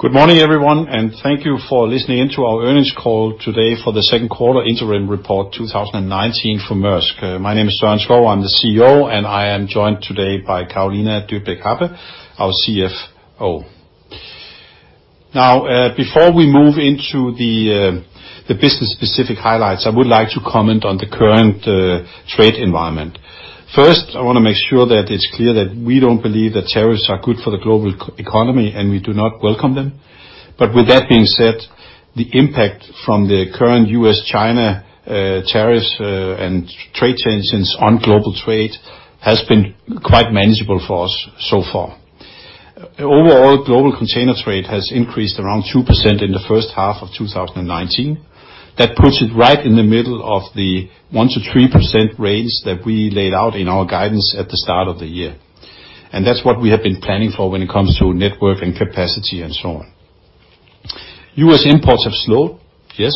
Good morning everyone, and thank you for listening in to our earnings call today for the second quarter interim report 2019 for Maersk. My name is Søren Skou, I'm the CEO, and I am joined today by Carolina Dybeck Happe, our CFO. Now, before we move into the business specific highlights, I would like to comment on the current trade environment. First, I want to make sure that it's clear that we don't believe that tariffs are good for the global economy, and we do not welcome them. With that being said, the impact from the current U.S., China tariffs and trade tensions on global trade has been quite manageable for us so far. Overall, global container trade has increased around 2% in the first half of 2019. That puts it right in the middle of the 1%-3% range that we laid out in our guidance at the start of the year. That's what we have been planning for when it comes to network and capacity and so on. U.S. imports have slowed, yes.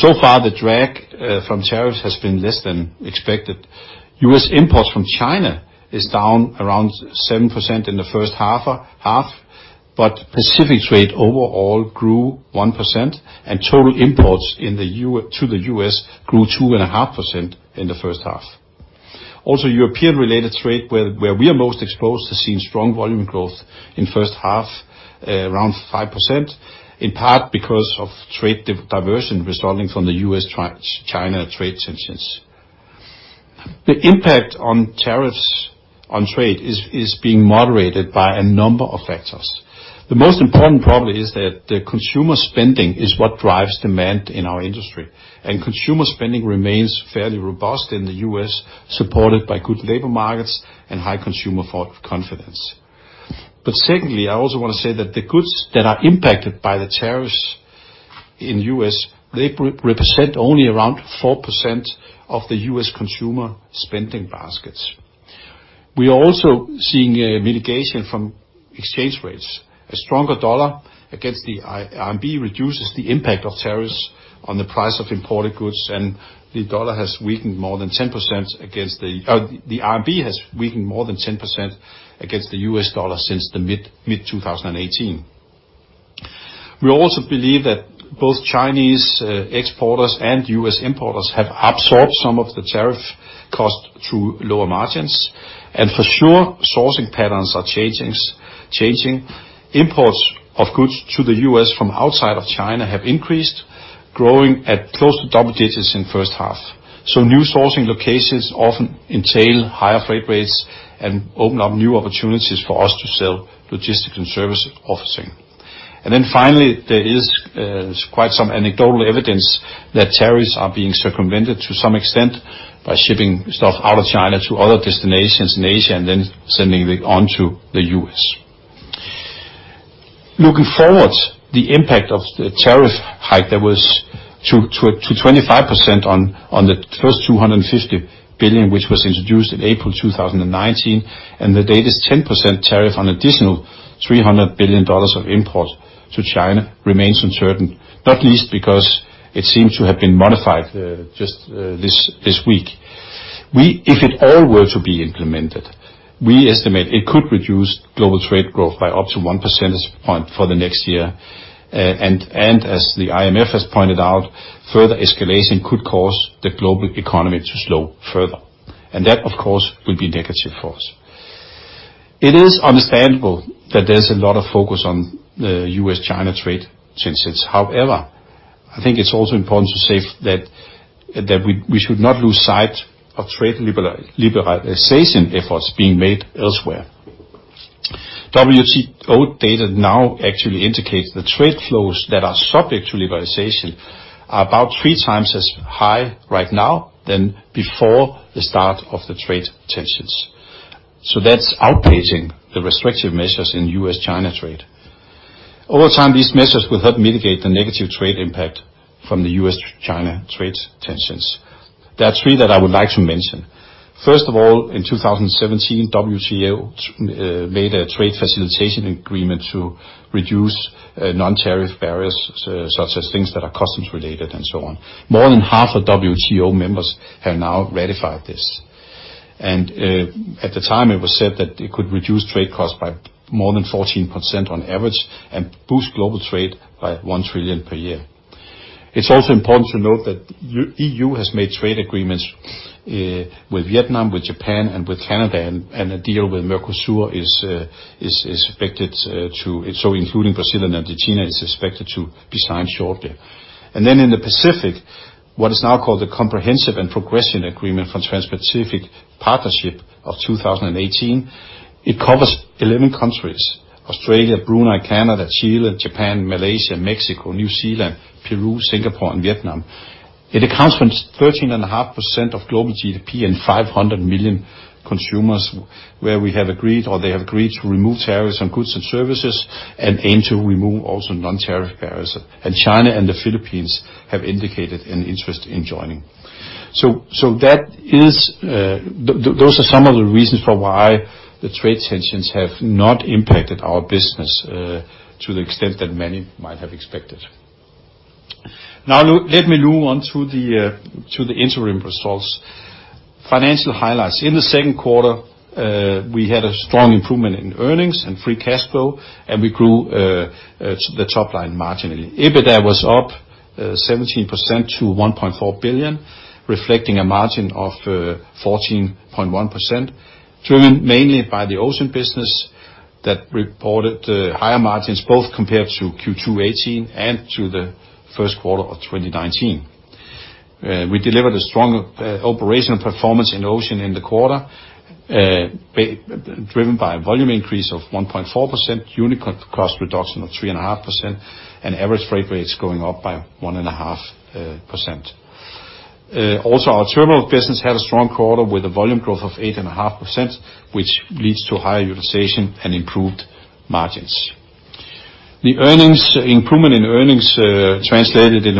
So far, the drag from tariffs has been less than expected. U.S. imports from China is down around 7% in the first half, but Pacific trade overall grew 1%, and total imports to the U.S. grew 2.5% in the first half. Also, European-related trade, where we are most exposed to seeing strong volume growth in first half, around 5%, in part because of trade diversion resulting from the U.S.-China trade tensions. The impact on tariffs on trade is being moderated by a number of factors. The most important probably is that the consumer spending is what drives demand in our industry. Consumer spending remains fairly robust in the U.S., supported by good labor markets and high consumer confidence. Secondly, I also want to say that the goods that are impacted by the tariffs in U.S., they represent only around 4% of the U.S. consumer spending baskets. We are also seeing a mitigation from exchange rates. A stronger dollar against the RMB reduces the impact of tariffs on the price of imported goods. The RMB has weakened more than 10% against the U.S. dollar since the mid-2018. We also believe that both Chinese exporters and U.S. importers have absorbed some of the tariff cost through lower margins. For sure, sourcing patterns are changing. Imports of goods to the U.S. from outside of China have increased, growing at close to double digits in first half. New sourcing locations often entail higher freight rates and open up new opportunities for us to sell logistics and service offering. Finally, there is quite some anecdotal evidence that tariffs are being circumvented to some extent by shipping stuff out of China to other destinations in Asia, and then sending it on to the U.S. Looking forward, the impact of the tariff hike that was to 25% on the first $250 billion, which was introduced in April 2019, and the latest 10% tariff on additional $300 billion of imports to China remains uncertain, not least because it seems to have been modified just this week. If it all were to be implemented, we estimate it could reduce global trade growth by up to one percentage point for the next year. As the IMF has pointed out, further escalation could cause the global economy to slow further. That, of course, will be negative for us. It is understandable that there's a lot of focus on the U.S.-China trade tensions. However, I think it's also important to say that we should not lose sight of trade liberalization efforts being made elsewhere. WTO data now actually indicates the trade flows that are subject to liberalization are about three times as high right now than before the start of the trade tensions. That's outpacing the restrictive measures in U.S.-China trade. Over time, these measures will help mitigate the negative trade impact from the U.S.-China trade tensions. There are three that I would like to mention. First of all, in 2017, WTO made a Trade Facilitation Agreement to reduce non-tariff barriers, such as things that are customs related and so on. More than half of WTO members have now ratified this. At the time, it was said that it could reduce trade costs by more than 14% on average and boost global trade by $1 trillion per year. It's also important to note that EU has made trade agreements with Vietnam, with Japan, and with Canada, and a deal with Mercosur, so including Brazil and Argentina, is expected to be signed shortly. Then in the Pacific, what is now called the Comprehensive and Progressive Agreement for Trans-Pacific Partnership of 2018. It covers 11 countries, Australia, Brunei, Canada, Chile, Japan, Malaysia, Mexico, New Zealand, Peru, Singapore, and Vietnam. It accounts for 13.5% of global GDP and 500 million consumers, where we have agreed, or they have agreed to remove tariffs on goods and services and aim to remove also non-tariff barriers. China and the Philippines have indicated an interest in joining. Those are some of the reasons for why the trade tensions have not impacted our business to the extent that many might have expected. Now let me move on to the interim results. Financial highlights. In the second quarter, we had a strong improvement in earnings and free cash flow, and we grew the top line margin. EBITDA was up 17% to $1.4 billion, reflecting a margin of 14.1%, driven mainly by the ocean business that reported higher margins, both compared to Q2 2018 and to the first quarter of 2019. We delivered a strong operational performance in ocean in the quarter, driven by a volume increase of 1.4%, unit cost reduction of 3.5%, and average freight rates going up by 1.5%. Our terminal business had a strong quarter with a volume growth of 8.5%, which leads to higher utilization and improved margins. The improvement in earnings translated into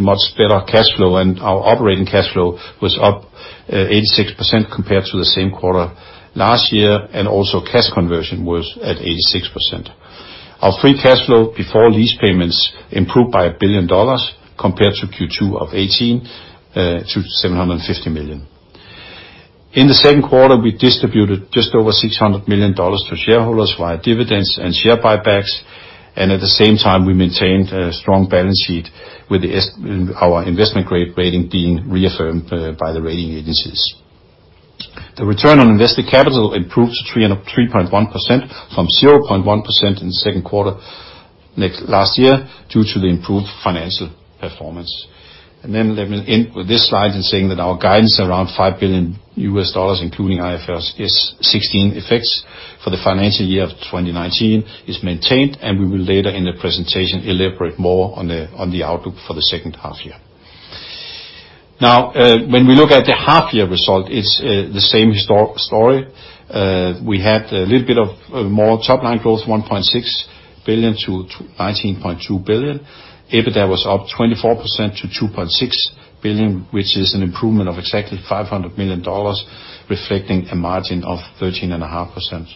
much better cash flow. Our operating cash flow was up 86% compared to the same quarter last year, and also cash conversion was at 86%. Our free cash flow before lease payments improved by $1 billion compared to Q2 2018 to $750 million. In the second quarter, we distributed just over $600 million to shareholders via dividends and share buybacks. At the same time, we maintained a strong balance sheet with our investment-grade rating being reaffirmed by the rating agencies. The return on invested capital improved to 3.1% from 0.1% in the second quarter last year, due to the improved financial performance. Let me end with this slide in saying that our guidance around $5 billion, including IFRS 16 effects for the financial year of 2019, is maintained, and we will later in the presentation elaborate more on the outlook for the second half year. When we look at the half year result, it's the same story. We had a little bit of more top-line growth, $1.6 billion to $19.2 billion. EBITDA was up 24% to $2.6 billion, which is an improvement of exactly $500 million, reflecting a margin of 13.5%.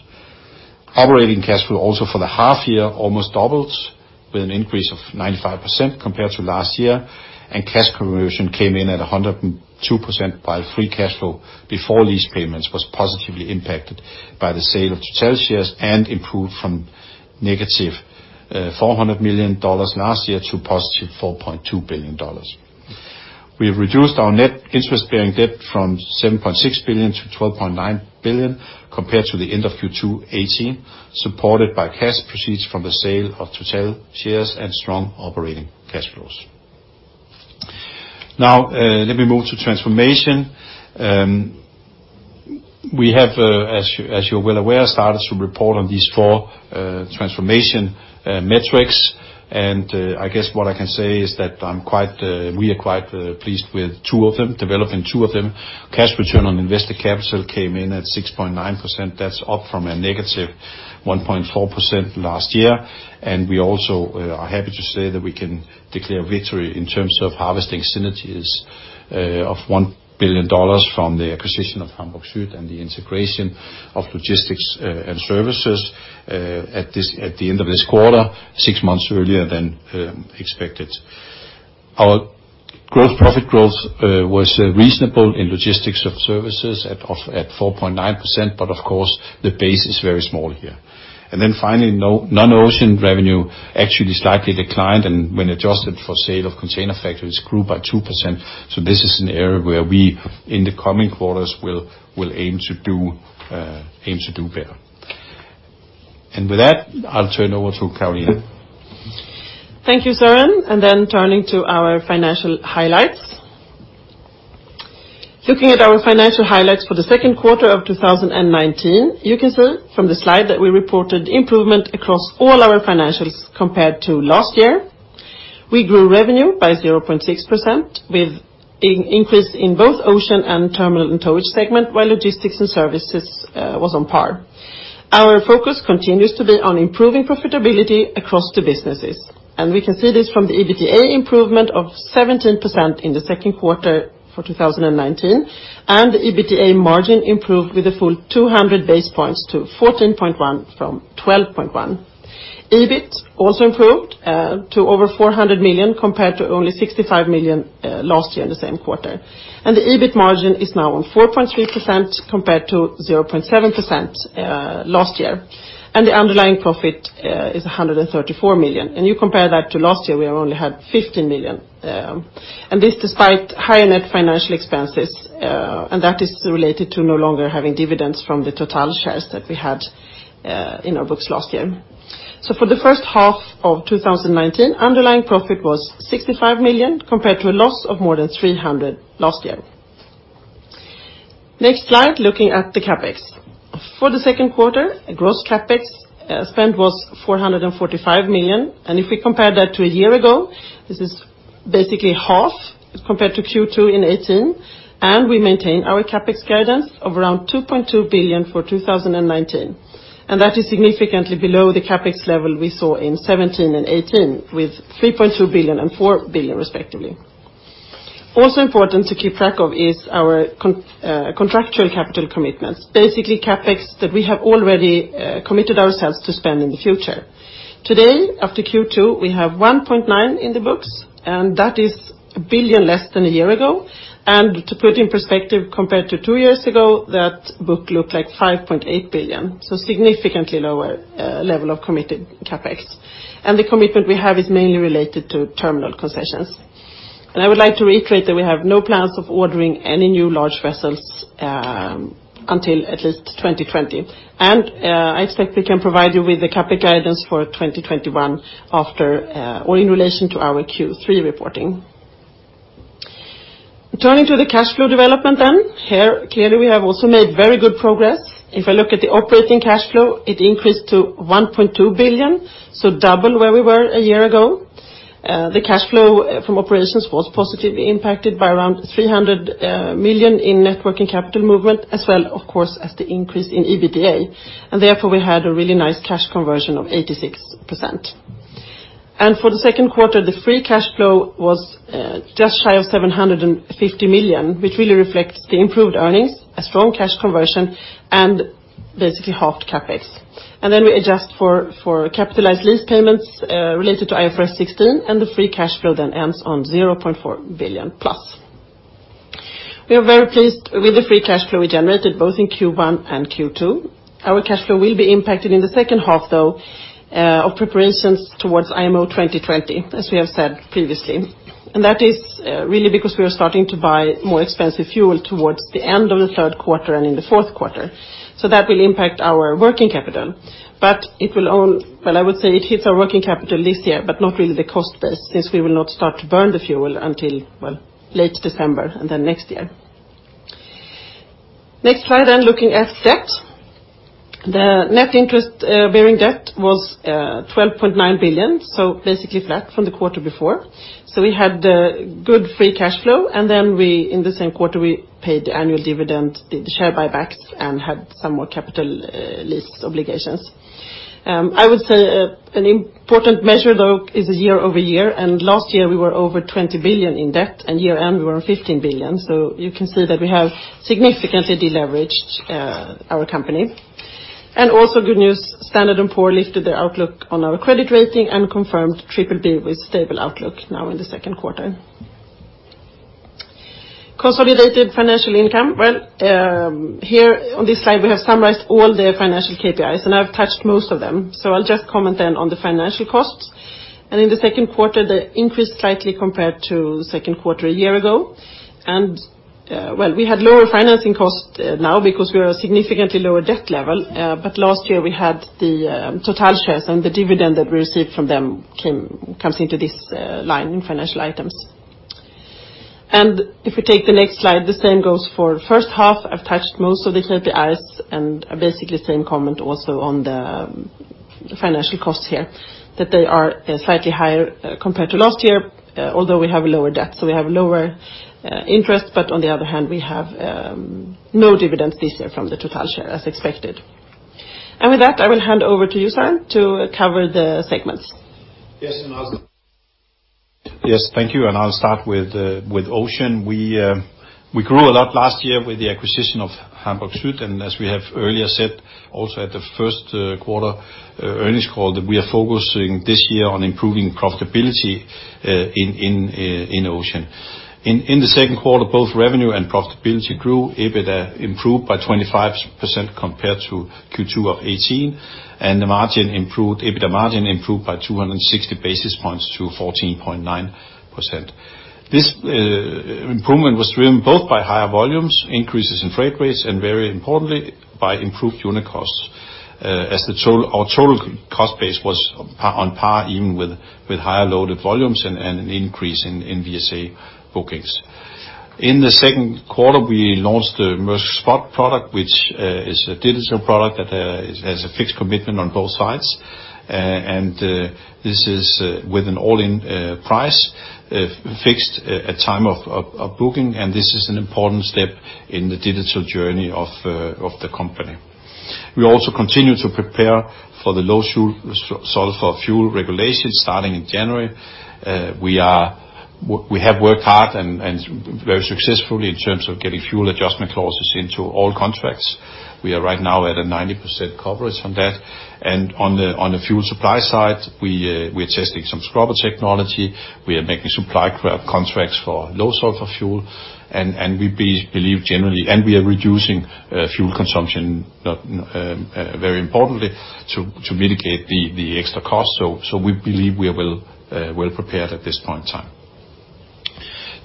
Operating cash flow also for the half year almost doubled with an increase of 95% compared to last year, and cash conversion came in at 102%, while free cash flow before lease payments was positively impacted by the sale of Total shares and improved from -$400 million last year to +$4.2 billion. We have reduced our net interest-bearing debt from $7.6 billion to $12.9 billion compared to the end of Q2 2018, supported by cash proceeds from the sale of Total shares and strong operating cash flows. Let me move to transformation. We have, as you're well aware, started to report on these four transformation metrics, and I guess what I can say is that we are quite pleased with developing two of them. Cash return on invested capital came in at 6.9%. That's up from a -1.4% last year. We also are happy to say that we can declare victory in terms of harvesting synergies of $1 billion from the acquisition of Hamburg Süd and the integration of Logistics & Services at the end of this quarter, six months earlier than expected. Our growth profit growth was reasonable in Logistics & Services at 4.9%. Of course, the base is very small here. Finally, non-ocean revenue actually slightly declined, and when adjusted for sale of container factories, grew by 2%. This is an area where we, in the coming quarters, will aim to do better. With that, I'll turn over to Carolina. Thank you, Søren. Turning to our financial highlights. Looking at our financial highlights for the second quarter of 2019, you can see from the slide that we reported improvement across all our financials compared to last year. We grew revenue by 0.6%, with increase in both ocean and terminal and towage segment, while Logistics & Services was on par. Our focus continues to be on improving profitability across the businesses. We can see this from the EBITDA improvement of 17% in the second quarter for 2019, and the EBITDA margin improved with a full 200 base points to 14.1% from 12.1%. EBIT also improved to over $400 million compared to only $65 million last year in the same quarter. The EBIT margin is now on 4.3% compared to 0.7% last year. The underlying profit is $134 million. You compare that to last year, we only had $15 million. This despite higher net financial expenses, and that is related to no longer having dividends from the Total shares that we had in our books last year. For the first half of 2019, underlying profit was $65 million compared to a loss of more than $300 million last year. Next slide, looking at the CapEx. For the second quarter, gross CapEx spend was $445 million, if we compare that to a year ago, this is basically half compared to Q2 in 2018, and we maintain our CapEx guidance of around $2.2 billion for 2019. That is significantly below the CapEx level we saw in 2017 and 2018, with $3.2 billion and $4 billion respectively. Also important to keep track of is our contractual capital commitments. Basically, CapEx that we have already committed ourselves to spend in the future. Today, after Q2, we have $1.9 billion in the books, and that is $1 billion less than a year ago. To put in perspective, compared to two years ago, that book looked like $5.8 billion, so significantly lower level of committed CapEx. The commitment we have is mainly related to terminal concessions. I would like to reiterate that we have no plans of ordering any new large vessels until at least 2020. I expect we can provide you with the CapEx guidance for 2021 after or in relation to our Q3 reporting. Turning to the cash flow development then. Here, clearly, we have also made very good progress. If I look at the operating cash flow, it increased to $1.2 billion, so double where we were a year ago. The cash flow from operations was positively impacted by around $300 million in net working capital movement, as well, of course, as the increase in EBITDA. Therefore, we had a really nice cash conversion of 86%. For the second quarter, the free cash flow was just shy of $750 million, which really reflects the improved earnings, a strong cash conversion, and basically halved CapEx. Then we adjust for capitalized lease payments related to IFRS 16, and the free cash flow then ends on $0.4 billion-plus. We are very pleased with the free cash flow we generated, both in Q1 and Q2. Our cash flow will be impacted in the second half, though, of preparations towards IMO 2020, as we have said previously. That is really because we are starting to buy more expensive fuel towards the end of the third quarter and in the fourth quarter. That will impact our working capital. It will, well, I would say it hits our working capital this year, but not really the cost base, since we will not start to burn the fuel until, well, late December and then next year. Next slide, looking at debt. The net interest-bearing debt was $12.9 billion, so basically flat from the quarter before. We had good free cash flow, and then in the same quarter, we paid the annual dividend, did the share buybacks, and had some more capital lease obligations. I would say an important measure, though, is a year-over-year, and last year we were over $20 billion in debt, and year-end we were $15 billion. You can see that we have significantly deleveraged our company. Also good news, Standard & Poor's lifted their outlook on our credit rating and confirmed BBB with stable outlook now in the second quarter. Consolidated financial income. Well, here on this slide, we have summarized all the financial KPIs, and I've touched most of them. I'll just comment then on the financial costs. In the second quarter, they increased slightly compared to the second quarter a year ago. Well, we had lower financing costs now because we are significantly lower debt level. Last year, we had the Total shares and the dividend that we received from them comes into this line in financial items. If we take the next slide, the same goes for the first half. I've touched most of these KPIs, and basically same comment also on the financial costs here, that they are slightly higher compared to last year, although we have a lower debt. We have lower interest, but on the other hand, we have no dividends this year from the Total share, as expected. With that, I will hand over to you, Søren, to cover the segments. Yes, and I'll start. Yes, thank you, and I'll start with Ocean. We grew a lot last year with the acquisition of Hamburg Süd, and as we have earlier said also at the first quarter earnings call, that we are focusing this year on improving profitability in Ocean. In the second quarter, both revenue and profitability grew. EBITDA improved by 25% compared to Q2 of 2018, and the margin improved, EBITDA margin improved by 260 basis points to 14.9%. This improvement was driven both by higher volumes, increases in freight rates, and very importantly, by improved unit costs, as our total cost base was on par even with higher loaded volumes and an increase in VSA bookings. In the second quarter, we launched the Maersk Spot product, which is a digital product that has a fixed commitment on both sides. This is with an all-in price fixed at time of booking. This is an important step in the digital journey of the company. We also continue to prepare for the low sulfur fuel regulations starting in January. We have worked hard and very successfully in terms of getting fuel adjustment clauses into all contracts. We are right now at a 90% coverage on that. On the fuel supply side, we're testing some scrubber technology. We are making supply contracts for low sulfur fuel. We are reducing fuel consumption very importantly to mitigate the extra cost. We believe we are well-prepared at this point in time.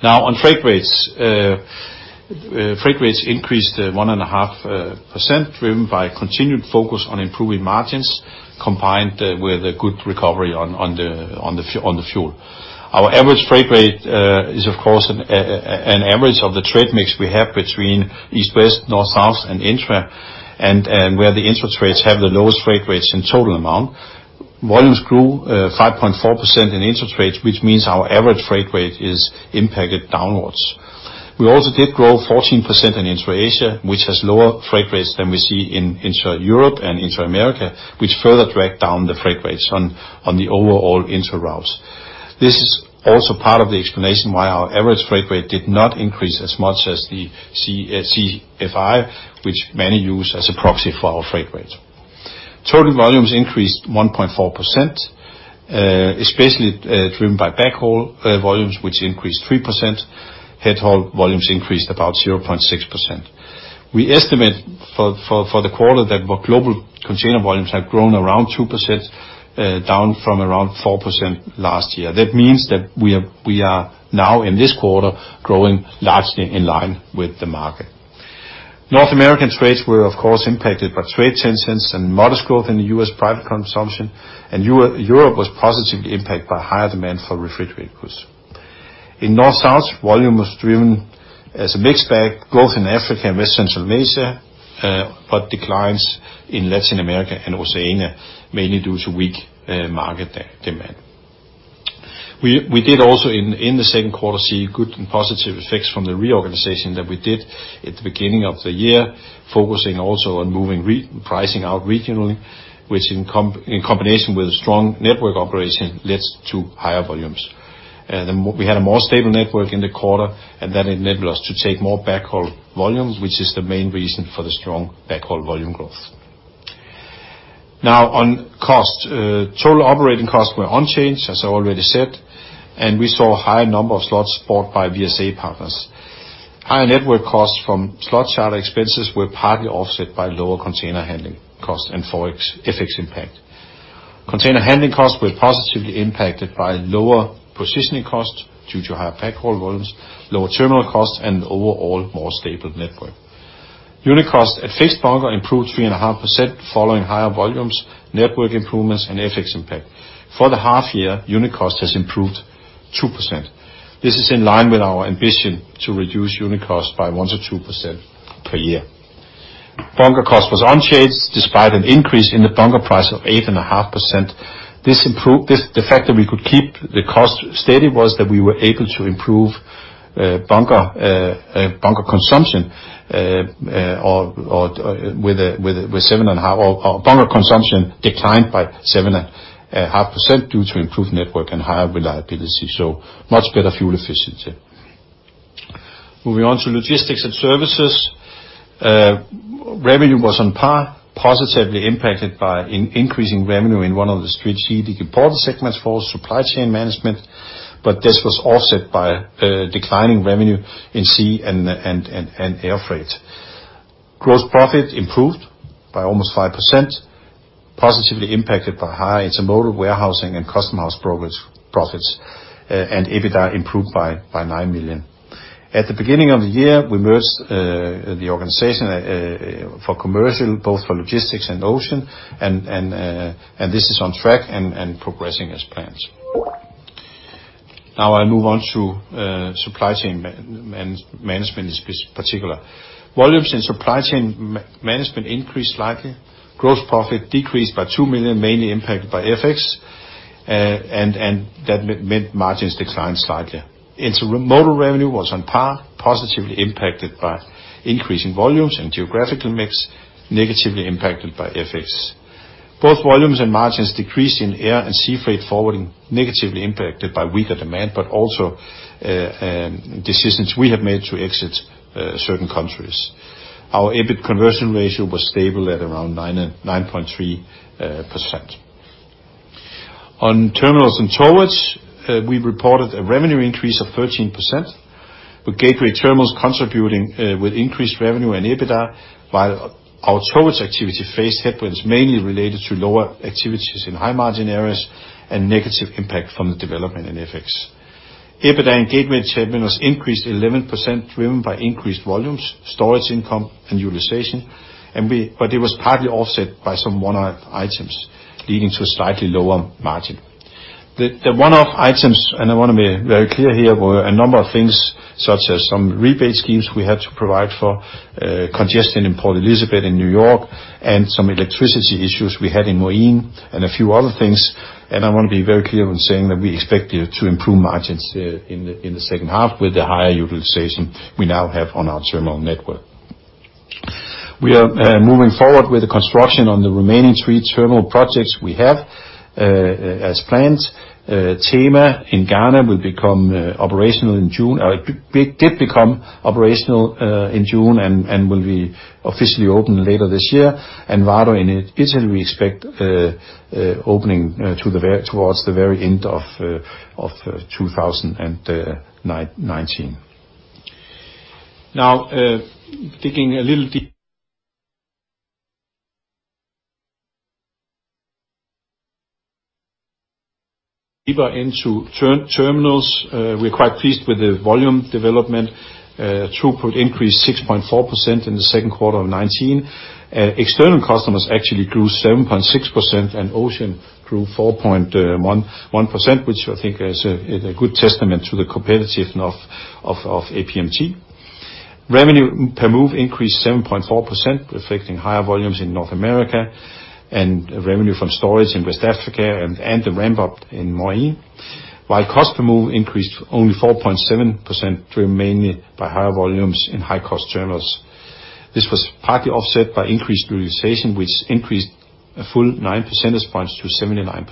Now on freight rates. Freight rates increased 1.5%, driven by continued focus on improving margins, combined with a good recovery on the fuel. Our average freight rate is, of course, an average of the trade mix we have between East, West, North, South, and Intra, and where the Intra trades have the lowest freight rates in total amount. Volumes grew 5.4% in Intra trades, which means our average freight rate is impacted downwards. We also did grow 14% in intra-Asia, which has lower freight rates than we see in intra-Europe and intra-America, which further dragged down the freight rates on the overall intra routes. This is also part of the explanation why our average freight rate did not increase as much as the CCFI, which many use as a proxy for our freight rates. Total volumes increased 1.4%, especially driven by backhaul volumes, which increased 3%. Headhaul volumes increased about 0.6%. We estimate for the quarter that global container volumes have grown around 2%, down from around 4% last year. That means that we are now in this quarter growing largely in line with the market. North American trades were, of course, impacted by trade tensions and modest growth in the U.S. private consumption, and Europe was positively impacted by higher demand for refrigerated goods. In North-South, volume was driven as a mixed bag, both in Africa and West Central Asia, but declines in Latin America and Oceania, mainly due to weak market demand. We did also, in the second quarter, see good and positive effects from the reorganization that we did at the beginning of the year, focusing also on moving pricing out regionally, which in combination with a strong network operation, leads to higher volumes. We had a more stable network in the quarter, and that enabled us to take more backhaul volumes, which is the main reason for the strong backhaul volume growth. Now on cost. Total operating costs were unchanged, as I already said, and we saw a higher number of slots bought by VSA partners. Higher network costs from slot charter expenses were partly offset by lower container handling costs and FX impact. Container handling costs were positively impacted by lower positioning costs due to higher backhaul volumes, lower terminal costs, and overall more stable network. Unit cost at fixed bunker improved 3.5% following higher volumes, network improvements, and FX impact. For the half year, unit cost has improved 2%. This is in line with our ambition to reduce unit cost by 1%-2% per year. Bunker cost was unchanged despite an increase in the bunker price of 8.5%. The fact that we could keep the cost steady was that we were able to improve bunker consumption declined by 7.5% due to improved network and higher reliability. Much better fuel efficiency. Moving on to Logistics and Services. Revenue was on par, positively impacted by increasing revenue in one of the strategic important segments for Supply Chain Management, but this was offset by declining revenue in sea and air freight. Gross profit improved by almost 5%, positively impacted by high intermodal warehousing and custom house profits. EBITDA improved by $9 million. At the beginning of the year, we merged the organization for commercial, both for Logistics and Ocean. This is on track and progressing as planned. I move on to Supply Chain Management in particular. Volumes in Supply Chain Management increased slightly. Gross profit decreased by $2 million, mainly impacted by FX. That meant margins declined slightly. Intermodal revenue was on par, positively impacted by increasing volumes and geographical mix, negatively impacted by FX. Both volumes and margins decreased in air and sea freight forwarding, negatively impacted by weaker demand, also decisions we have made to exit certain countries. Our EBIT conversion ratio was stable at around 9.3%. On terminals and towage, we reported a revenue increase of 13%, with gateway terminals contributing with increased revenue and EBITDA, while our towage activity faced headwinds mainly related to lower activities in high-margin areas and negative impact from the development in FX. EBITDA and gateway terminals increased 11%, driven by increased volumes, storage income, and utilization. It was partly offset by some one-off items, leading to a slightly lower margin. The one-off items, and I want to be very clear here, were a number of things such as some rebate schemes we had to provide for congestion in Port Elizabeth in New York and some electricity issues we had in Moín and a few other things. I want to be very clear on saying that we expect to improve margins in the second half with the higher utilization we now have on our terminal network. We are moving forward with the construction on the remaining three terminal projects we have as planned. Tema in Ghana did become operational in June and will be officially open later this year. Vado in Italy, we expect opening towards the very end of 2019. Now, digging a little deeper into terminals. We're quite pleased with the volume development. Throughput increased 6.4% in the second quarter of 2019. External customers actually grew 7.6%, ocean grew 4.1%, which I think is a good testament to the competitiveness of APMT. Revenue per move increased 7.4%, reflecting higher volumes in North America, revenue from storage in West Africa, the ramp-up in Moín. While cost per move increased only 4.7%, driven mainly by higher volumes in high-cost terminals. This was partly offset by increased utilization, which increased a full nine percentage points to 79%,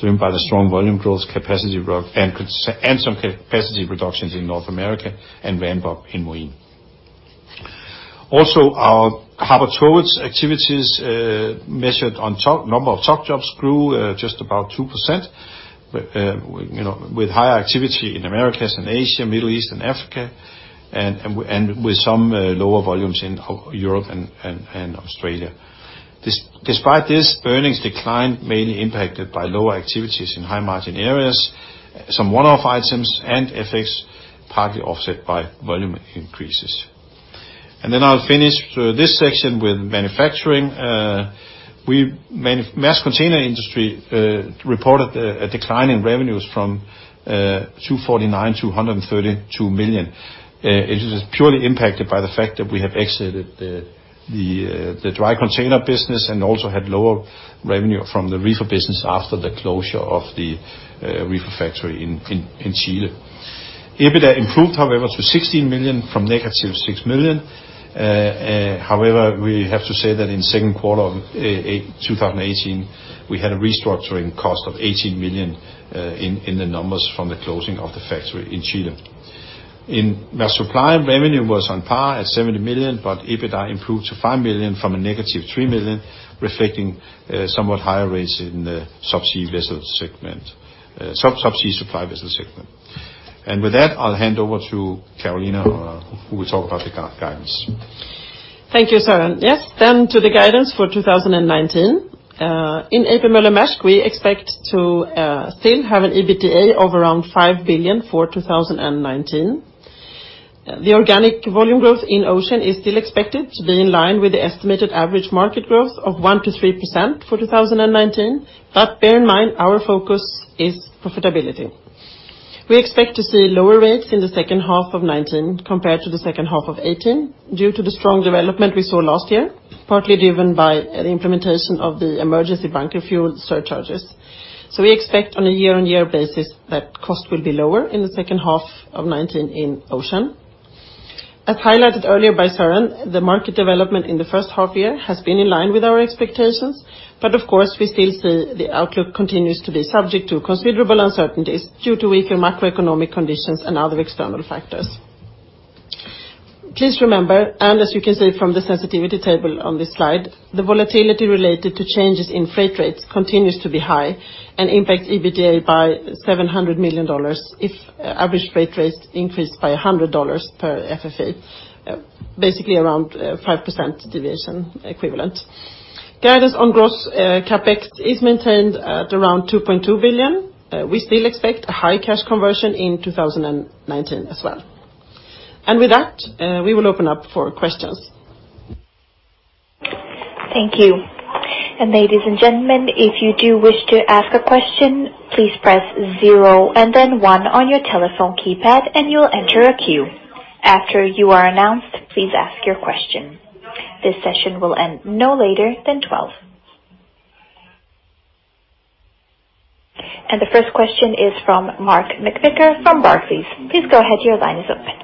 driven by the strong volume growth, capacity growth, some capacity reductions in North America, and ramp-up in Moín. Also, our harbor towage activities, measured on number of tow jobs, grew just about two percent, with higher activity in Americas and Asia, Middle East and Africa, with some lower volumes in Europe and Australia. Despite this, earnings declined, mainly impacted by lower activities in high-margin areas, some one-off items, FX, partly offset by volume increases. Then I'll finish this section with manufacturing. Maersk Container Industry reported a decline in revenues from $249 million to $132 million. It is purely impacted by the fact that we have exited the dry container business and also had lower revenue from the reefer business after the closure of the reefer factory in Chile. EBITDA improved, however, to $16 million from -$6 million. However, we have to say that in second quarter of 2018, we had a restructuring cost of $18 million in the numbers from the closing of the factory in Chile. In Maersk Supply, revenue was on par at $70 million, but EBITDA improved to $5 million from a -$3 million, reflecting somewhat higher rates in the subsea supply vessel segment. With that, I'll hand over to Carolina, who will talk about the guidance. Thank you, Søren. To the guidance for 2019. In A.P. Møller - Mærsk, we expect to still have an EBITDA of around $5 billion for 2019. The organic volume growth in Ocean is still expected to be in line with the estimated average market growth of 1%-3% for 2019, bear in mind, our focus is profitability. We expect to see lower rates in the second half of 2019 compared to the second half of 2018 due to the strong development we saw last year, partly driven by the implementation of the emergency bunker fuel surcharges. We expect on a year-on-year basis that cost will be lower in the second half of 2019 in Ocean. As highlighted earlier by Søren, the market development in the first half year has been in line with our expectations. Of course, we still see the outlook continues to be subject to considerable uncertainties due to weaker macroeconomic conditions and other external factors. Please remember, and as you can see from the sensitivity table on this slide, the volatility related to changes in freight rates continues to be high and impacts EBITDA by $700 million if average freight rates increased by $100 per FFA, basically around 5% deviation equivalent. Guidance on gross CapEx is maintained at around $2.2 billion. We still expect a high cash conversion in 2019 as well. With that, we will open up for questions. Thank you. Ladies and gentlemen, if you do wish to ask a question, please press zero and then one on your telephone keypad and you will enter a queue. After you are announced, please ask your question. This session will end no later than 12:00. The first question is from Mark McVicar from Barclays. Please go ahead, your line is open.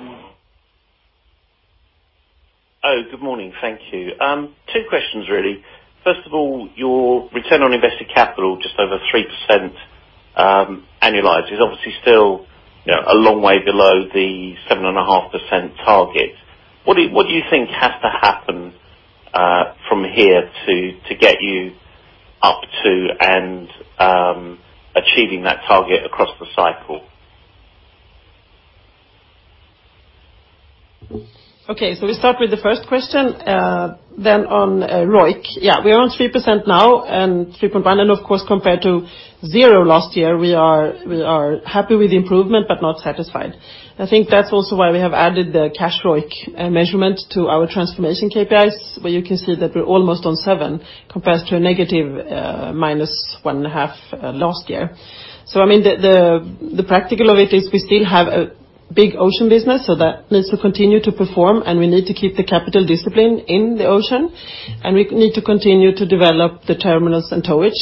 Good morning. Thank you. Two questions really. First of all, your return on invested capital, just over 3% annualized, is obviously still a long way below the 7.5% target. What do you think has to happen from here to get you up to and achieving that target across the cycle? We start with the first question on ROIC. We are on 3% now and 3.1% of course compared to zero last year. We are happy with the improvement but not satisfied. I think that's also why we have added the cash ROIC measurement to our transformation KPIs, where you can see that we're almost on 7% compared to a negative -1.5 last year. The practical of it is we still have a big ocean business, that needs to continue to perform, we need to keep the capital discipline in the ocean, we need to continue to develop the terminals and towage,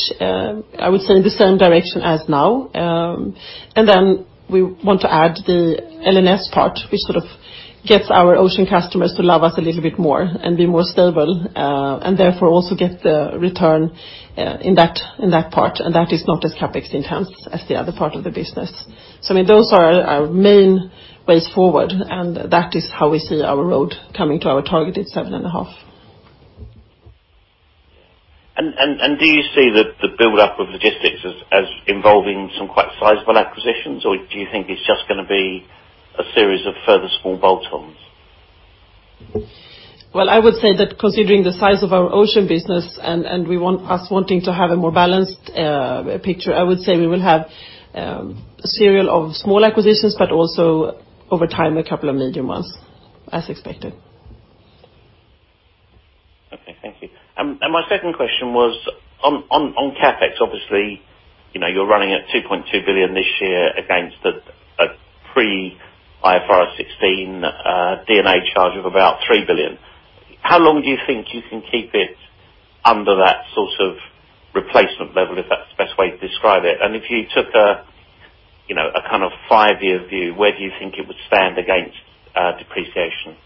I would say, in the same direction as now. We want to add the L&S part, which sort of gets our ocean customers to love us a little bit more and be more stable, and therefore also get the return in that part, and that is not as CapEx intense as the other part of the business. Those are our main ways forward, and that is how we see our road coming to our target at 7.5%. Do you see the buildup of logistics as involving some quite sizable acquisitions, or do you think it's just going to be a series of further small bolt-ons? Well, I would say that considering the size of our ocean business and us wanting to have a more balanced picture, I would say we will have a series of small acquisitions, but also over time, a couple of medium ones, as expected. Thank you. My second question was on CapEx, obviously, you're running at $2.2 billion this year against a pre-IFRS 16 D&A charge of about $3 billion. How long do you think you can keep it under that sort of replacement level, if that's the best way to describe it? If you took a kind of five-year view, where do you think it would stand against depreciation?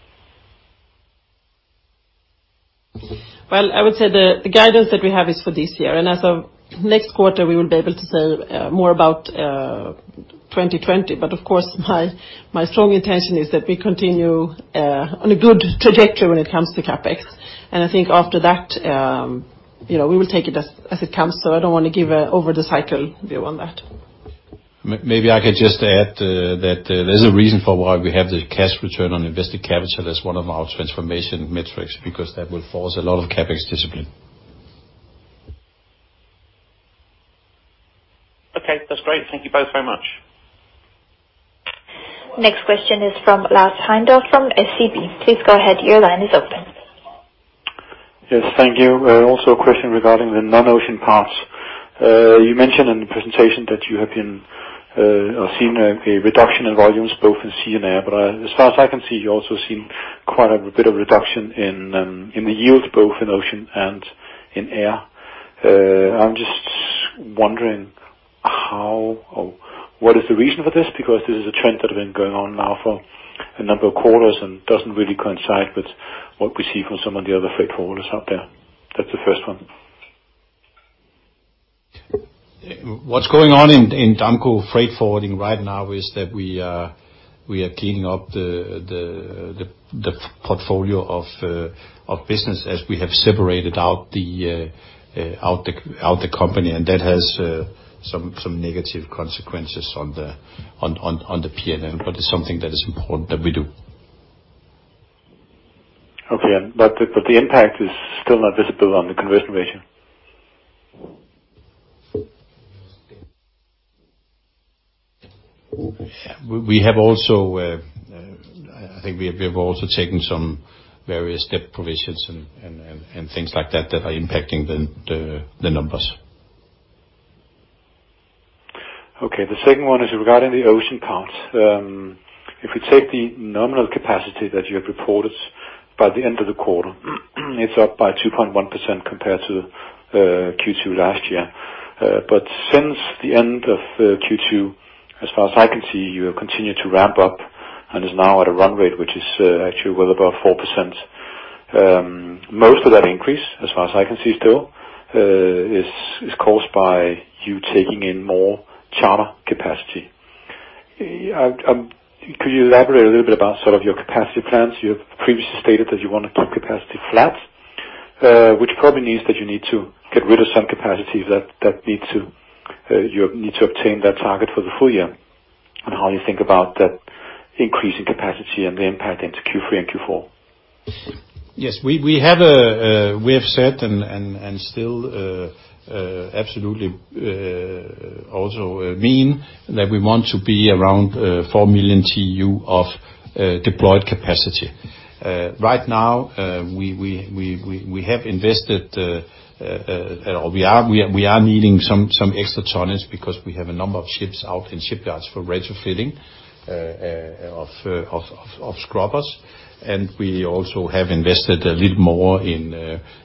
Well, I would say the guidance that we have is for this year, and as of next quarter, we will be able to say more about 2020. Of course, my strong intention is that we continue on a good trajectory when it comes to CapEx. I think after that, we will take it as it comes. I don't want to give an over-the-cycle view on that. Maybe I could just add that there's a reason for why we have the cash return on invested capital as one of our transformation metrics, because that will force a lot of CapEx discipline. Okay. That's great. Thank you both very much. Next question is from Lars Heindorff from SEB. Please go ahead. Your line is open. Yes. Thank you. A question regarding the non-ocean parts. You mentioned in the presentation that you have seen a reduction in volumes both in sea and air. As far as I can see, you also seen quite a bit of reduction in the yield, both in ocean and in air. I'm just wondering what is the reason for this. This is a trend that has been going on now for a number of quarters and doesn't really coincide with what we see from some of the other freight forwarders out there. That's the first one. What's going on in Damco freight forwarding right now is that we are cleaning up the portfolio of business as we have separated out the company, and that has some negative consequences on the P&L, but it's something that is important that we do. Okay. The impact is still not visible on the conversion ratio. I think we have also taken some various debt provisions and things like that are impacting the numbers. Okay. The second one is regarding the ocean part. If we take the nominal capacity that you have reported by the end of the quarter, it's up by 2.1% compared to Q2 last year. Since the end of Q2, as far as I can see, you have continued to ramp up and is now at a run rate, which is actually well above 4%. Most of that increase, as far as I can see still, is caused by you taking in more charter capacity. Could you elaborate a little bit about sort of your capacity plans? You have previously stated that you want to keep capacity flat, which probably means that you need to get rid of some capacity, that you need to obtain that target for the full year. How you think about that increase in capacity and the impact into Q3 and Q4. Yes. We have said and still absolutely also mean that we want to be around 4 million TEU of deployed capacity. Right now, we have invested, or we are needing some extra tonnage because we have a number of ships out in shipyards for retrofitting of scrubbers. And we also have invested a little more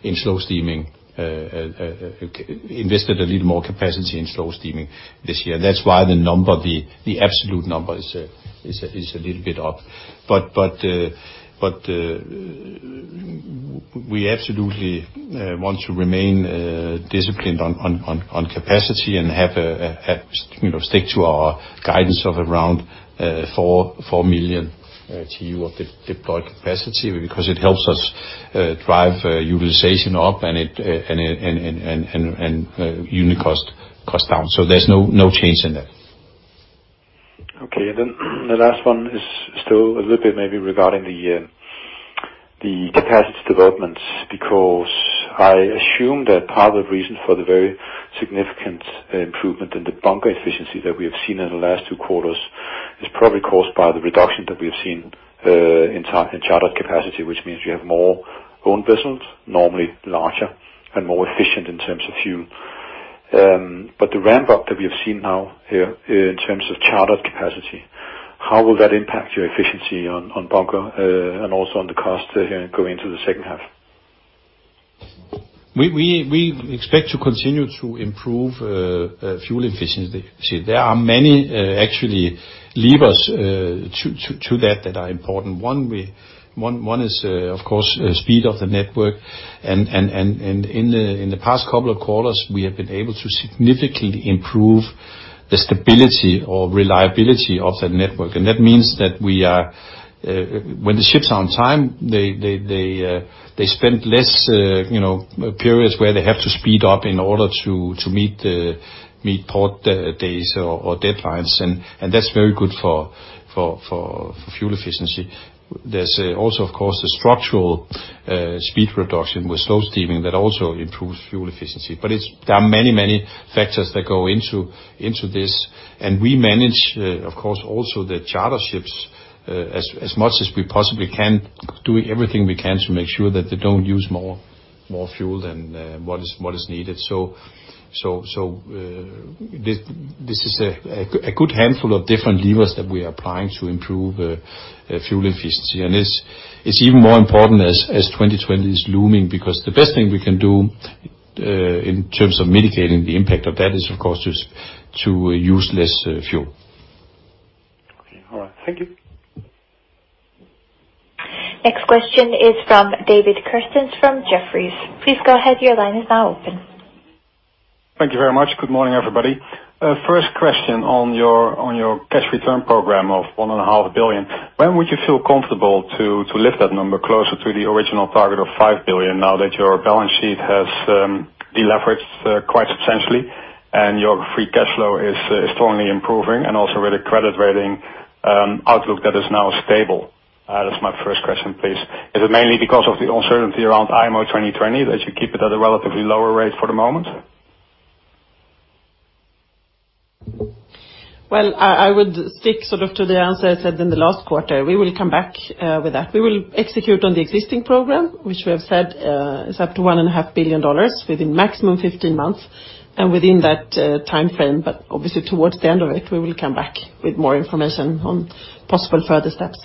capacity in slow steaming this year. That's why the absolute number is a little bit up. But we absolutely want to remain disciplined on capacity and stick to our guidance of around 4 million TEU of deployed capacity, because it helps us drive utilization up and unit cost down. So there's no change in that. Okay. The last one is still a little bit maybe regarding the capacity developments, because I assume that part of the reason for the very significant improvement in the bunker efficiency that we have seen in the last two quarters is probably caused by the reduction that we have seen in chartered capacity, which means you have more own vessels, normally larger and more efficient in terms of fuel. The ramp up that we have seen now in terms of chartered capacity, how will that impact your efficiency on bunker, and also on the cost going into the second half? We expect to continue to improve fuel efficiency. There are many actually levers to that are important. One is, of course, speed of the network, and in the past couple of quarters, we have been able to significantly improve the stability or reliability of that network. That means that when the ships are on time, they spend less periods where they have to speed up in order to meet port days or deadlines, and that's very good for fuel efficiency. There's also, of course, the structural speed reduction with slow steaming that also improves fuel efficiency. There are many, many factors that go into this, and we manage, of course, also the charter ships as much as we possibly can, doing everything we can to make sure that they don't use more fuel than what is needed. This is a good handful of different levers that we are applying to improve fuel efficiency. It's even more important as 2020 is looming, because the best thing we can do in terms of mitigating the impact of that is, of course, to use less fuel. Okay. All right. Thank you. Next question is from David Kerstens from Jefferies. Please go ahead, your line is now open. Thank you very much. Good morning, everybody. First question on your cash return program of $1.5 billion, when would you feel comfortable to lift that number closer to the original target of $5 billion now that your balance sheet has deleveraged quite substantially and your free cash flow is strongly improving, and also with a credit rating outlook that is now stable? That's my first question, please. Is it mainly because of the uncertainty around IMO 2020 that you keep it at a relatively lower rate for the moment? Well, I would stick to the answer I said in the last quarter. We will come back with that. We will execute on the existing program, which we have said is up to $1.5 billion within maximum 15 months, and within that timeframe, but obviously towards the end of it, we will come back with more information on possible further steps.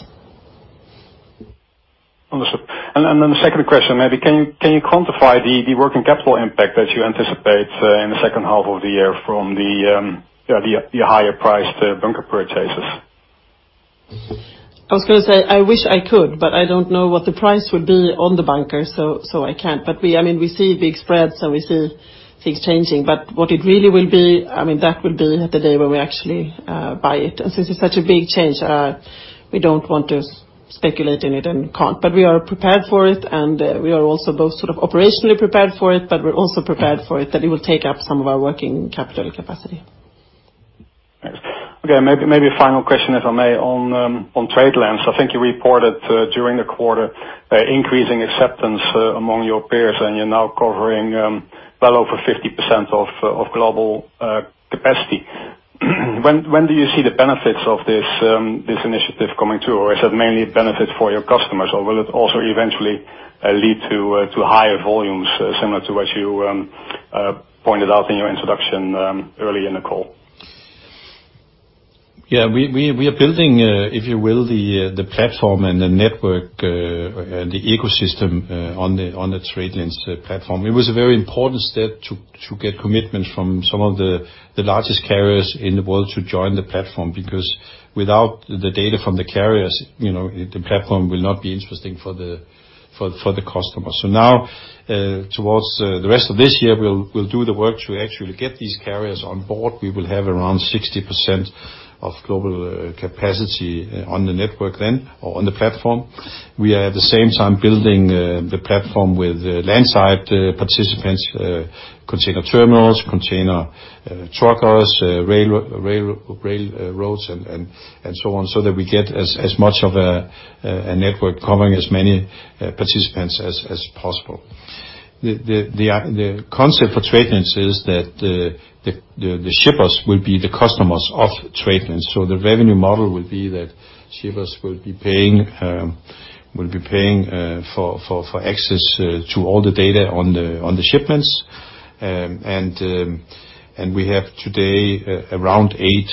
Understood. The second question, maybe, can you quantify the working capital impact that you anticipate in the second half of the year from the higher priced bunker purchases? I was going to say, I wish I could, but I don't know what the price will be on the bunker, so I can't. We see big spreads, and we see things changing. What it really will be, that will be the day when we actually buy it. Since it's such a big change, we don't want to speculate in it and can't. We are prepared for it, and we are also both operationally prepared for it, but we're also prepared for it that it will take up some of our working capital capacity. Thanks. Okay, maybe a final question, if I may, on TradeLens. I think you reported during the quarter increasing acceptance among your peers, and you're now covering well over 50% of global capacity. When do you see the benefits of this initiative coming through? Is it mainly a benefit for your customers, or will it also eventually lead to higher volumes, similar to what you pointed out in your introduction earlier in the call? Yeah, we are building, if you will, the platform and the network, and the ecosystem on the TradeLens platform. It was a very important step to get commitment from some of the largest carriers in the world to join the platform, because without the data from the carriers, the platform will not be interesting for the customer. Now, towards the rest of this year, we'll do the work to actually get these carriers on board. We will have around 60% of global capacity on the network then, or on the platform. We are at the same time building the platform with landside participants, container terminals, container truckers, railroads, and so on, so that we get as much of a network covering as many participants as possible. The concept for TradeLens is that the shippers will be the customers of TradeLens. The revenue model will be that shippers will be paying for access to all the data on the shipments. We have today around eight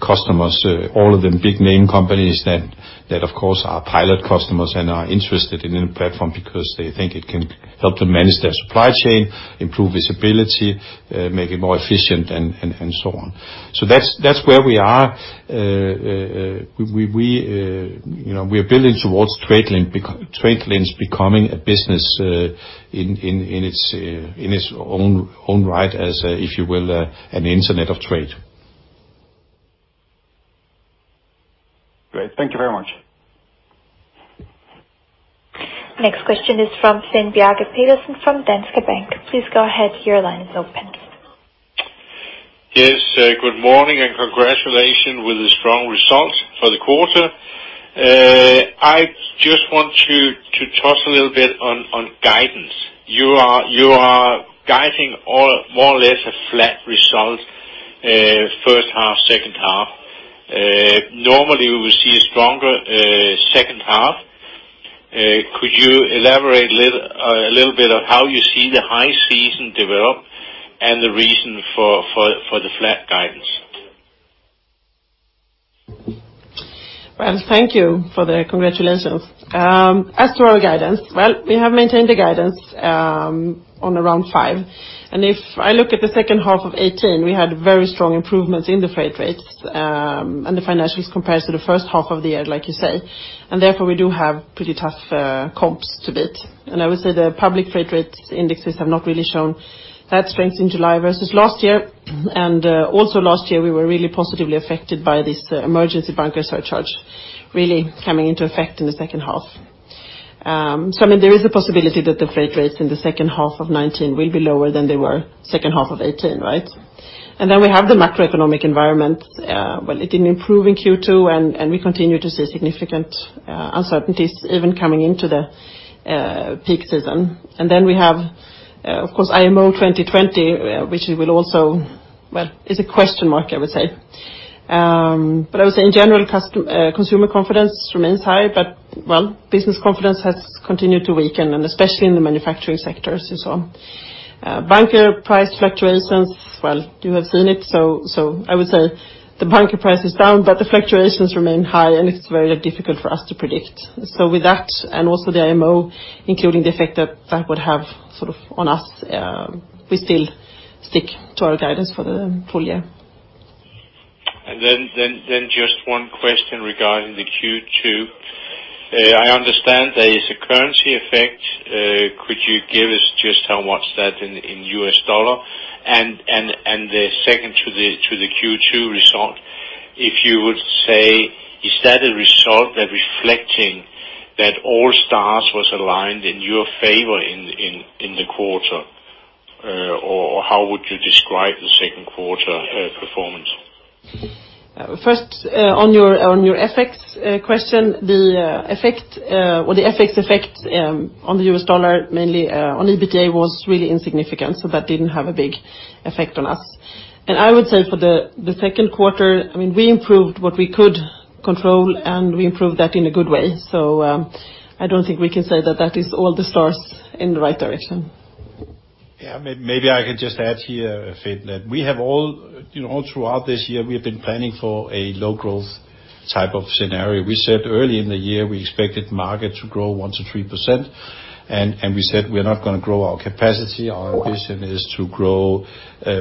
customers, all of them big name companies that, of course, are pilot customers and are interested in a platform because they think it can help them manage their supply chain, improve visibility, make it more efficient, and so on. That's where we are. We're building towards TradeLens becoming a business in its own right as, if you will, an internet of trade. Great. Thank you very much. Next question is from Finn Bjarke Petersen from Danske Bank. Please go ahead, your line is open. Yes. Good morning, and congratulations with the strong results for the quarter. I just want you to touch a little bit on guidance. You are guiding more or less a flat result first half, second half. Normally, we see a stronger second half. Could you elaborate a little bit on how you see the high season develop and the reason for the flat guidance? Well, thank you for the congratulations. As to our guidance, well, we have maintained the guidance on around five. If I look at the second half of 2018, we had very strong improvements in the freight rates and the financials compared to the first half of the year, like you say. Therefore, we do have pretty tough comps to beat. I would say the public freight rates indexes have not really shown that strength in July versus last year. Also last year, we were really positively affected by this emergency bunker surcharge really coming into effect in the second half. There is a possibility that the freight rates in the second half of 2019 will be lower than they were second half of 2018, right? We have the macroeconomic environment. Well, it didn't improve in Q2, and we continue to see significant uncertainties even coming into the peak season. Of course, IMO 2020, which is a question mark, I would say. I would say, in general, consumer confidence remains high, but business confidence has continued to weaken, and especially in the manufacturing sectors and so on. Bunker price fluctuations, well, you have seen it. I would say the bunker price is down, but the fluctuations remain high, and it's very difficult for us to predict. With that, and also the IMO, including the effect that that would have on us, we still stick to our guidance for the full year. Just one question regarding the Q2. I understand there is a currency effect. Could you give us just how much that in U.S. dollar? The second to the Q2 result, if you would say, is that a result that reflecting that all stars was aligned in your favor in the quarter? How would you describe the second quarter performance? First, on your FX question, the FX effect on the U.S. dollar, mainly on EBITDA, was really insignificant. That didn't have a big effect on us. I would say for the second quarter, we improved what we could control, and we improved that in a good way. I don't think we can say that is all the stars in the right direction. Yeah, maybe I can just add here, Finn, that all throughout this year, we have been planning for a low-growth type of scenario. We said early in the year, we expected market to grow 1%-3%. We said we're not going to grow our capacity. Our ambition is to grow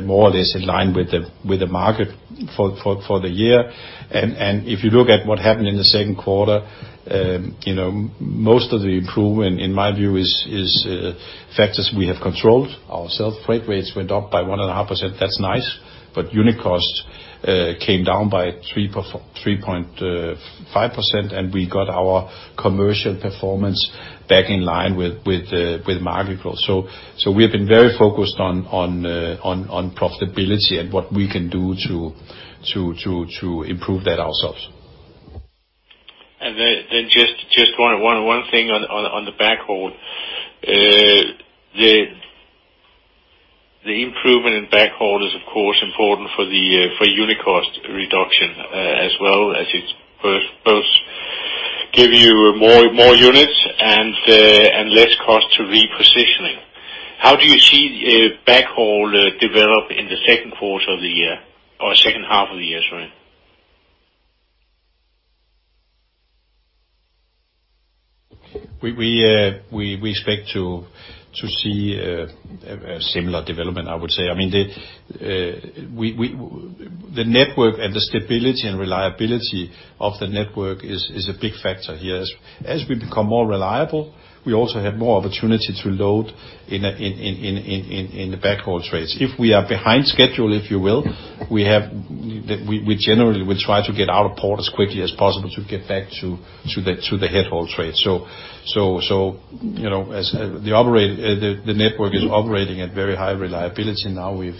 more or less in line with the market for the year. If you look at what happened in the second quarter, most of the improvement, in my view, is factors we have controlled. Our self-freight rates went up by 1.5%. That's nice. Unit costs came down by 3.5%, and we got our commercial performance back in line with market growth. We have been very focused on profitability and what we can do to improve that ourselves. Just one thing on the backhaul. The improvement in backhaul is, of course, important for unit cost reduction as well as it both give you more units and less cost to repositioning. How do you see backhaul develop in the second quarter of the year or second half of the year, sorry? We expect to see a similar development, I would say. The network and the stability and reliability of the network is a big factor here. As we become more reliable, we also have more opportunity to load in the backhaul trades. If we are behind schedule, if you will, we generally will try to get out of port as quickly as possible to get back to the head haul trade. As the network is operating at very high reliability now, we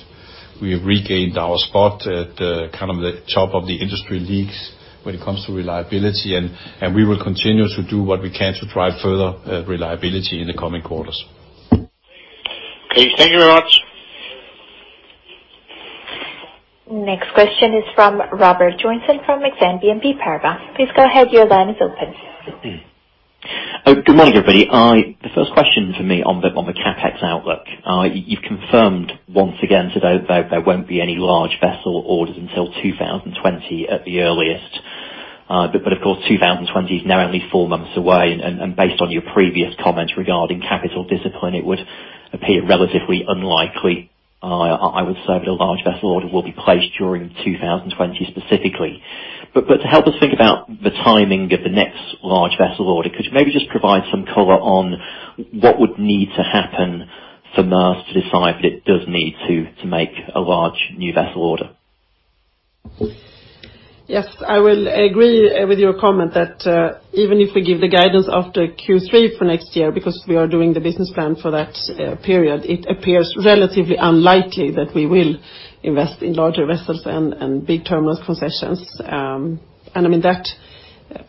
have regained our spot at the top of the industry leagues when it comes to reliability, and we will continue to do what we can to drive further reliability in the coming quarters. Okay. Thank you very much. Next question is from Robert Joynson from Exane BNP Paribas. Please go ahead, your line is open. Good morning, everybody. The first question to me on the CapEx outlook. You've confirmed once again today that there won't be any large vessel orders until 2020 at the earliest. Of course, 2020 is now only four months away, and based on your previous comments regarding capital discipline, it would appear relatively unlikely, I would say, that a large vessel order will be placed during 2020 specifically. To help us think about the timing of the next large vessel order, could you maybe just provide some color on what would need to happen for Maersk to decide that it does need to make a large new vessel order? Yes, I will agree with your comment that even if we give the guidance after Q3 for next year, because we are doing the business plan for that period, it appears relatively unlikely that we will invest in larger vessels and big terminal concessions.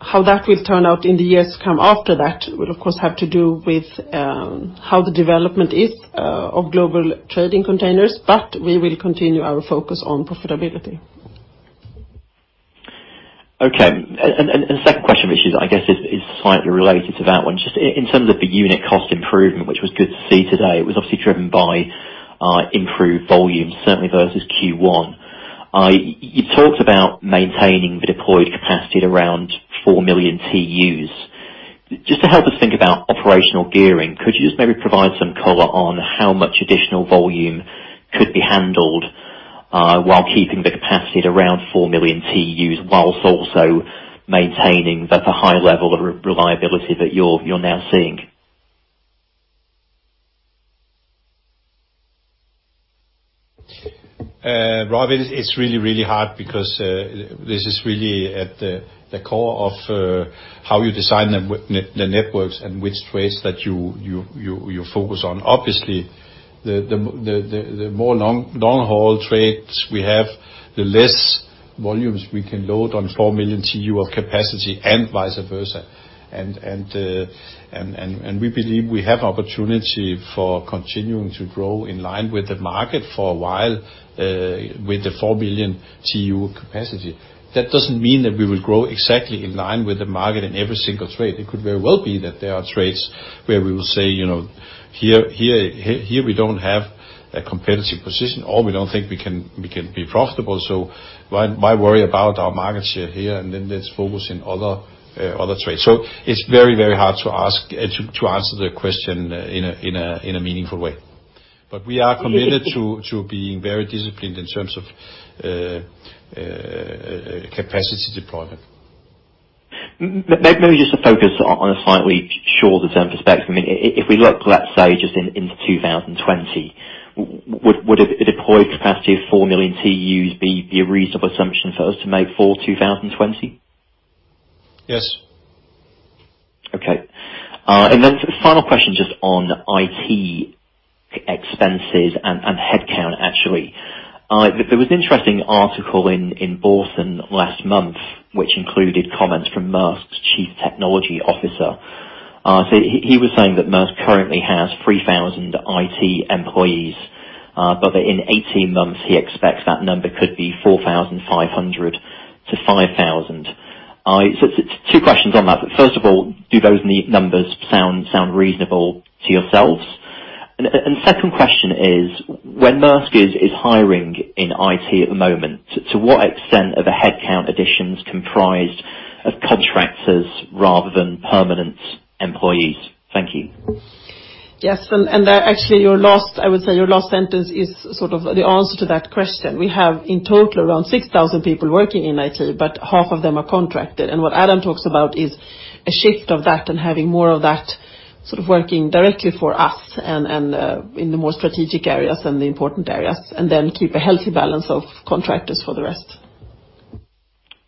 How that will turn out in the years come after that will, of course, have to do with how the development is of global trading containers, but we will continue our focus on profitability. Okay. The second question, which is, I guess, is slightly related to that one. Just in terms of the unit cost improvement, which was good to see today, it was obviously driven by improved volumes, certainly versus Q1. You talked about maintaining the deployed capacity at around 4 million TEUs. Just to help us think about operational gearing, could you just maybe provide some color on how much additional volume could be handled while keeping the capacity at around 4 million TEUs, whilst also maintaining the high level of reliability that you're now seeing? Robert, it's really, really hard because this is really at the core of how you design the networks and which trades that you focus on. Obviously, the more long-haul trades we have, the less volumes we can load on 4 million TEU of capacity and vice versa. We believe we have opportunity for continuing to grow in line with the market for a while, with the 4 million TEU capacity. That doesn't mean that we will grow exactly in line with the market in every single trade. It could very well be that there are trades where we will say, "Here we don't have a competitive position, or we don't think we can be profitable, so why worry about our market share here? Then let's focus in other trades." It's very hard to answer the question in a meaningful way. We are committed to being very disciplined in terms of capacity deployment. Maybe just to focus on a slightly shorter-term perspective. If we look, let's say, just in 2020, would a deployed capacity of 4 million TEUs be a reasonable assumption for us to make for 2020? Yes. Okay. Final question just on IT expenses and headcount, actually. There was interesting article in Børsen last month, which included comments from Maersk's Chief Technology Officer. He was saying that Maersk currently has 3,000 IT employees. That in 18 months, he expects that number could be 4,500-5,000. Two questions on that. First of all, do those numbers sound reasonable to yourselves? Second question is, when Maersk is hiring in IT at the moment, to what extent are the headcount additions comprised of contractors rather than permanent employees? Thank you. Yes. Actually, I would say your last sentence is sort of the answer to that question. We have, in total, around 6,000 people working in IT, but half of them are contracted. What Adam talks about is a shift of that and having more of that sort of working directly for us and in the more strategic areas and the important areas, and then keep a healthy balance of contractors for the rest.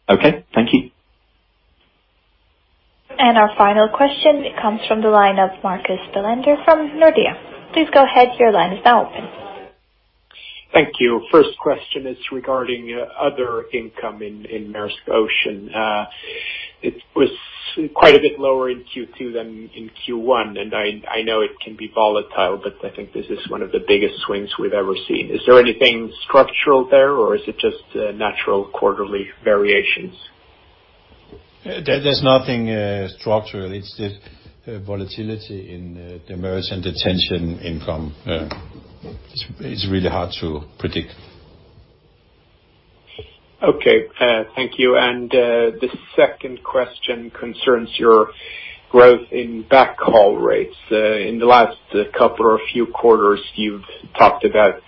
Okay. Thank you. Our final question, it comes from the line of Marcus Bellander from Nordea. Please go ahead, your line is now open. Thank you. First question is regarding other income in Maersk Ocean. It was quite a bit lower in Q2 than in Q1. I know it can be volatile, but I think this is one of the biggest swings we've ever seen. Is there anything structural there, or is it just natural quarterly variations? There's nothing structural. It's just volatility in the demurrage and detention income. It's really hard to predict. Okay. Thank you. The second question concerns your growth in backhaul rates. In the last couple or few quarters, you've talked about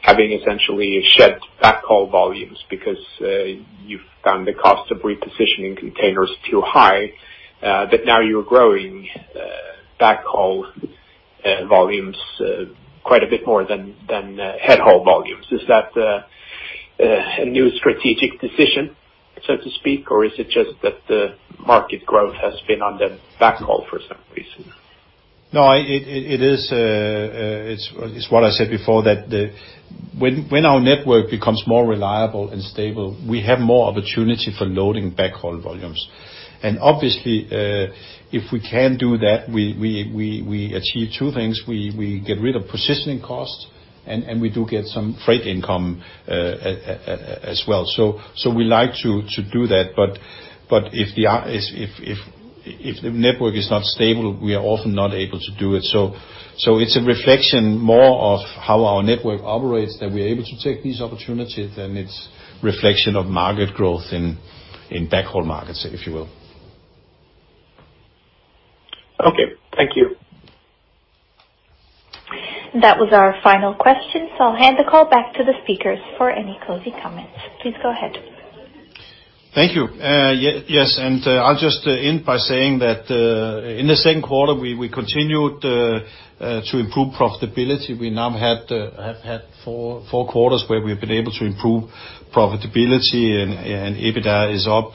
having essentially shed backhaul volumes because you found the cost of repositioning containers too high. Now you're growing backhaul volumes quite a bit more than headhaul volumes. Is that a new strategic decision, so to speak, or is it just that the market growth has been on the backhaul for some reason? No, it's what I said before, that when our network becomes more reliable and stable, we have more opportunity for loading backhaul volumes. Obviously, if we can do that, we achieve two things. We get rid of positioning costs, and we do get some freight income as well. We like to do that, but if the network is not stable, we are often not able to do it. It's a reflection more of how our network operates, that we're able to take these opportunities than it's reflection of market growth in backhaul markets, if you will. Okay. Thank you. That was our final question, I'll hand the call back to the speakers for any closing comments. Please go ahead. Thank you. Yes, I'll just end by saying that, in the second quarter, we continued to improve profitability. We now have had four quarters where we've been able to improve profitability, and EBITDA is up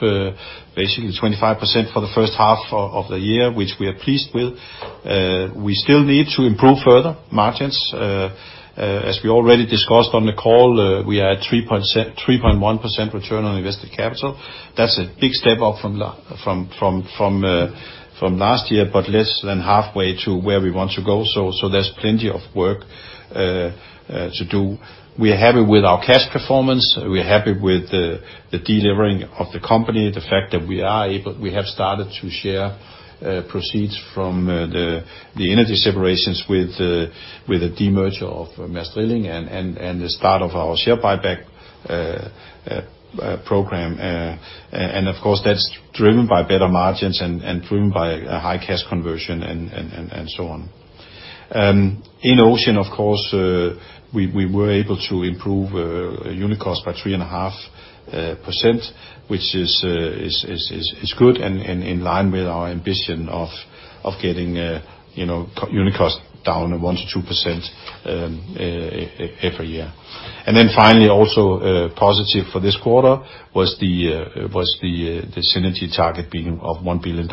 basically 25% for the first half of the year, which we are pleased with. We still need to improve further margins. As we already discussed on the call, we are at 3.1% return on invested capital. That's a big step up from last year, but less than halfway to where we want to go. There's plenty of work to do. We're happy with our cash performance. We're happy with the delivering of the company, the fact that we have started to share proceeds from the energy separations with the demerger of Maersk Drilling and the start of our share buyback program. Of course, that's driven by better margins and driven by a high cash conversion, and so on. In Ocean, of course, we were able to improve unit cost by 3.5%, which is good and in line with our ambition of getting unit cost down 1%-2% every year. Finally, also positive for this quarter was the synergy target of $1 billion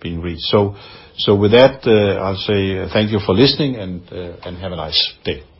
being reached. With that, I'll say thank you for listening and have a nice day.